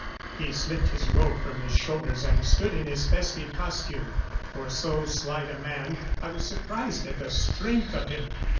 ] He slipped his robe from his shoulders and stood in his festive costume. For so slight a man, I was surprised at the strength of him.